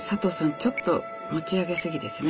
ちょっと持ち上げ過ぎですね。